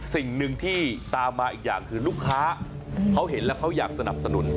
สิ่งหนึ่งที่ตามมาอีกอย่างคือลูกค้าเขาเห็นแล้วเขาอยากสนับสนุน